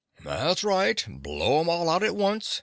"That's right, blow 'em all out at once!"